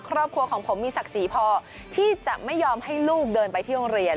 ครอบครัวของผมมีศักดิ์ศรีพอที่จะไม่ยอมให้ลูกเดินไปที่โรงเรียน